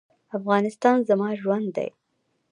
افغانستان زما ژوند دی